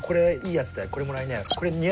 「これもらいなよ」